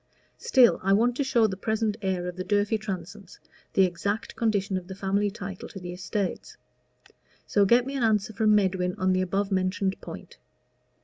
Still I want to show the present heir of the Durfey Transomes the exact condition of the family title to the estates. So get me an answer from Medwin on the above mentioned point.